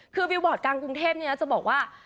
คือบิลบอร์ดกลางกรุงเทพจะบอกว่า